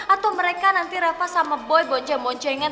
atau mereka nanti rapat sama boy bonceng boncengan